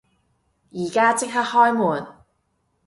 而家即刻開門！